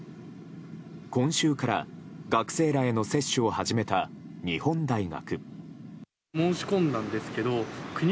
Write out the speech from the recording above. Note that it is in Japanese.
今週から学生らへの接種を始めた日本大学。